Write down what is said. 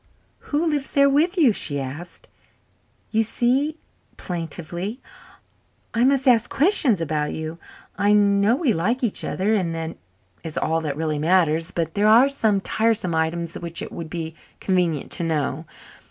"Who lives there with you?" she asked. "You see" plaintively "I must ask questions about you. I know we like each other, and that is all that really matters. But there are some tiresome items which it would be convenient to know.